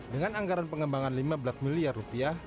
dengan anggaran pengembangan lima belas miliar rupiah